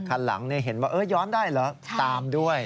คันหลังเห็นว่าย้อนได้เหรอตามด้วย